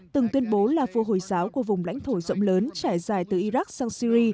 từng tuyên bố là vua hồi giáo của vùng lãnh thổ rộng lớn trải dài từ iraq sang syri